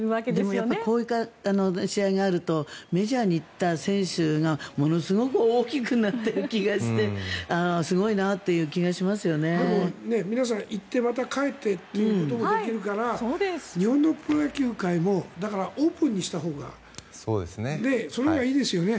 でもこういう試合があるとメジャーに行った選手がものすごく大きくなってる気がして皆さん、行ってまた帰ってということもできるから日本のプロ野球界もオープンにしたほうがそのほうがいいですよね。